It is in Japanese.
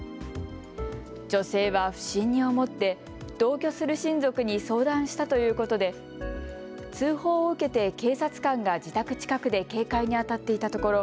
女性は不審に思って同居する親族に相談したということで通報を受けて警察官が自宅近くで警戒にあたっていたところ。